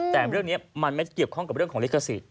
แต่เรื่องนี้มันไม่เกี่ยวข้องกับเรื่องของลิขสิทธิ